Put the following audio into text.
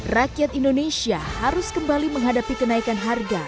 rakyat indonesia harus kembali menghadapi kenaikan harga